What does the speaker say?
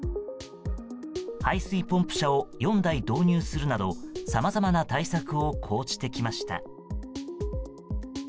排水ポンプ車を４台導入するなどさまざまな対策を講じてきました。